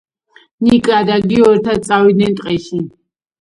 ნიკა და გიო ერთად წავიდნენ ტყეში